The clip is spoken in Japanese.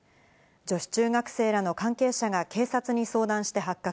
女子中学生らの関係者が警察に相談して発覚。